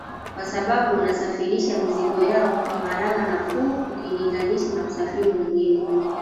Kwa sababu wanasafirisha mizigo yao kwa gharama nafuu ukilinganisha na usafiri mwingine